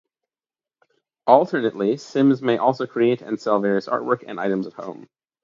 Alternately, Sims may also create and sell various artwork and items at home.